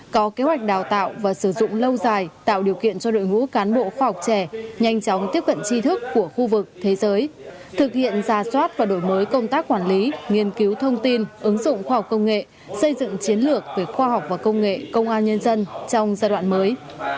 có kế hoạch đào tạo và sử dụng lâu dài tạo điều kiện cho đội ngũ cán bộ khoa học trẻ nhanh chóng tiếp cận tri thức của khu vực thế giới thực hiện ra soát và đổi mới công tác quản lý nghiên cứu thông tin ứng dụng khoa học công nghệ xây dựng chiến lược về khoa học và công nghệ công an nhân dân trong giai đoạn mới